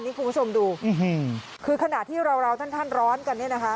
นี่คุณผู้ชมดูคือขนาดที่เราท่านร้อนกันนี่นะคะ